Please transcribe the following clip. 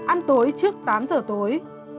ăn tối trước tám giờ tối